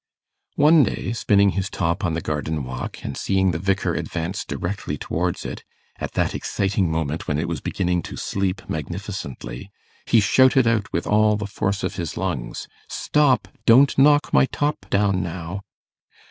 One day, spinning his top on the garden walk, and seeing the Vicar advance directly towards it, at that exciting moment when it was beginning to 'sleep' magnificently, he shouted out with all the force of his lungs 'Stop! don't knock my top down, now!